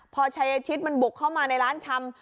พอชัยชิดมันบุกเข้ามาในร้านชำ